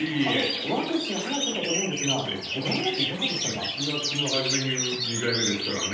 ワクチン早く打ったと思うんですが、７月の初めに２回目ですからね。